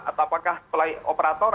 atau apakah pelay operator